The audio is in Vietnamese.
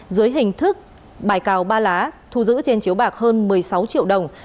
dưới hình thức bài cào ba lá thu giữ trên chiếu bạc hơn một mươi sáu triệu đồng